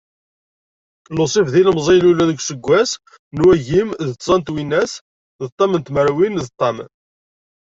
Lusif d ilemẓi i ilulen deg useggas n wagim d tẓa n twinas d ṭam n tmerwin d ṭam.